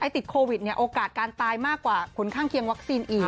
ติดโควิดโอกาสการตายมากกว่าผลข้างเคียงวัคซีนอีก